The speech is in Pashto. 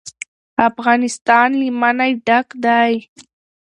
افغانستان له منی ډک دی.